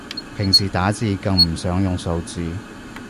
平時打字更唔想用數字